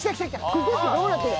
ここってどうなってるの？